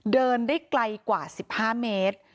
เดินได้ไกลกว่า๑๕เมตร